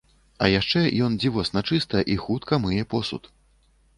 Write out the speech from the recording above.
А яшчэ ён дзівосна чыста і хутка мые посуд!